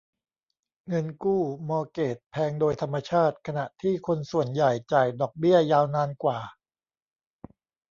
เงินกู้มอร์เกจแพงโดยธรรมชาติ ขณะที่คนส่วนใหญ่จ่ายดอกเบี้ยยาวนานกว่า